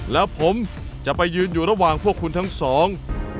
แล้วผมจะไปยืนอยู่ระหว่างพวกคุณทั้งสอง